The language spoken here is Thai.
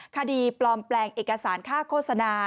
คดีปลอมแปลงเอกสารค่าโฆษณา